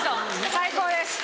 最高です。